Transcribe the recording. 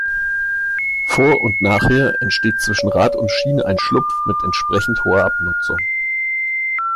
Vor- und nachher entsteht zwischen Rad und Schiene ein Schlupf mit entsprechend hoher Abnutzung.